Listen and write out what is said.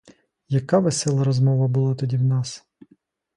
Яка весела розмова була тоді в нас!